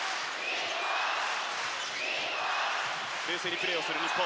冷静にプレーをする日本。